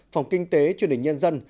phòng kinh tế truyền hình nhân dân